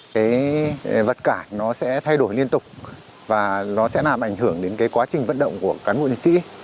cái vật cản nó sẽ thay đổi liên tục và nó sẽ làm ảnh hưởng đến cái quá trình vận động của cán bộ chiến sĩ